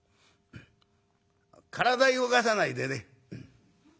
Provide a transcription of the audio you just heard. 体動かさないでね。